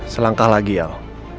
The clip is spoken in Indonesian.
selangkah lagi al